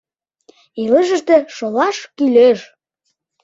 Илышыште шолаш кӱлеш.